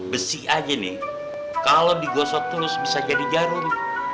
besi aja nih kalau digosok terus bisa jadi jarum